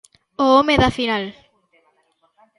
O home da final.